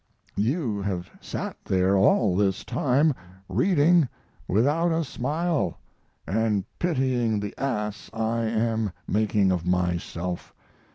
You have sat there all this time reading without a smile, and pitying the ass I am making of myself.